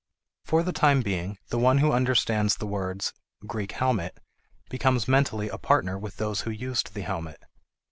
For the time being, the one who understands the words "Greek helmet" becomes mentally a partner with those who used the helmet.